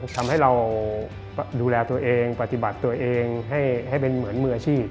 ทำให้เราดูแลตัวเองปฏิบัติตัวเองให้เป็นเหมือนมืออาชีพ